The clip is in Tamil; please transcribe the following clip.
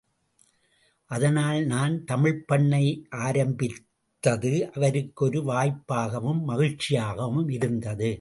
அதனால் நான் தமிழ்ப்பண்ணை ஆரம்பித்தது அவருக்கு ஒரு வாய்ப்பாகவும் மகிழ்ச்சியாகவும் இருந்தது.